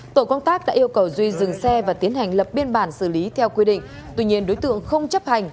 tổ công tác đã yêu cầu duy dừng xe và tiến hành lập biên bản xử lý theo quy định tuy nhiên đối tượng không chấp hành